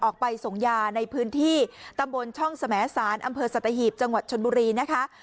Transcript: ออกไปส่งยาในพื้นที่ตำบลช่องสมสารอำเภอสัตหีบจังหวัดชนบุรีนะคะ